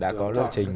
đã có lộ trình